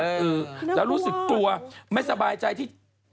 เออแล้วรู้สึกกลัวไม่สบายใจที่